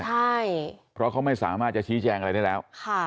ใช่เพราะเขาไม่สามารถจะชี้แจงอะไรได้แล้ว